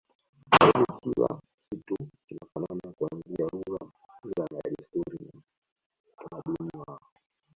Karibu kila kitu kinafanana kuanzia lugha mila na desturi na utamaduni wao